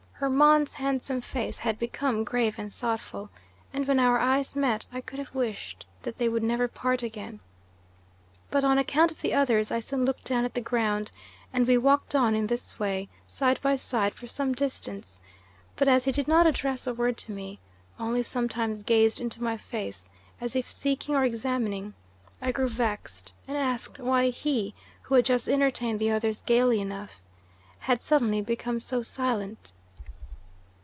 Hermon's handsome face had become grave and thoughtful, and when our eyes met I could have wished that they would never part again. But on account of the others I soon looked down at the ground and we walked on in this way, side by side, for some distance; but as he did not address a word to me, only sometimes gazed into my face as if seeking or examining, I grew vexed and asked him why he, who had just entertained the others gaily enough, had suddenly become so silent.